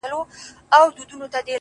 و تاته د جنت حوري غلمان مبارک؛